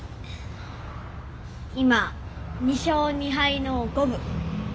今「２勝２敗」の五分。